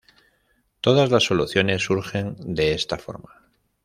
Todas las soluciones surgen de esta forma.